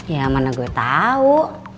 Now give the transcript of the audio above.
ya mana gue tau